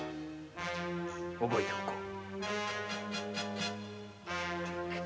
覚えておこう。